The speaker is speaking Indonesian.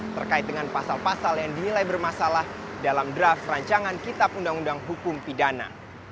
terkait dengan pasal pasal yang dinilai bermasalah dalam draft rancangan kitab undang undang hukum pidana